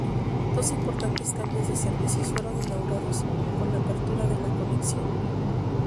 Dos importantes cambios de servicios fueron inaugurados con la apertura de la conexión.